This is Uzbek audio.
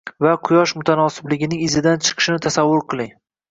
va Quyosh mutanosibligining izidan chiqishini tasavvur qiling...